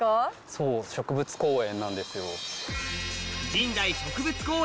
そう植物公園なんですよ。